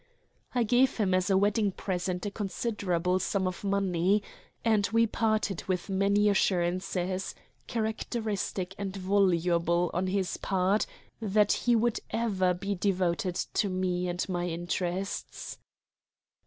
I gave him as a wedding present a considerable sum of money, and we parted with many assurances, characteristic and voluble, on his part that he would ever be devoted to me and my interests.